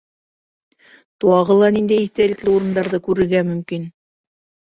Тағы ла ниндәй иҫтәлекле урындарҙы күрергә мөмкин?